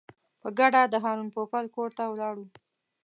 په ګډه د هارون پوپل کور ته ولاړو.